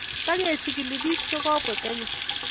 Takechikili pik che kobwa Kenya